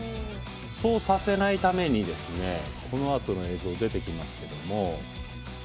そうさせないためにこのあとの映像出てきますけども。